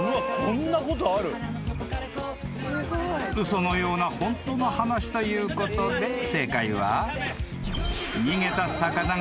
［嘘のようなホントの話ということで正解は］